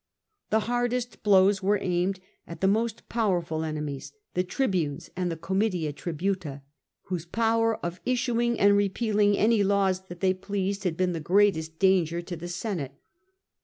The hardest blows were aimed at the most powerful enemies, the tribunes and the Oomitia Tributa, whose power of issuing and repealing any laws that they pleased had been the greatest danger of the Senate.